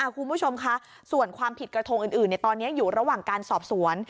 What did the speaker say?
คุณผู้ชมค่ะส่วนความผิดกระทงอื่นตอนนี้อยู่ระหว่างการสอบสวน